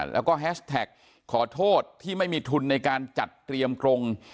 แล้วก็แฮชแท็กขอโทษที่ไม่มีทุนในการจัดเตรียมกรง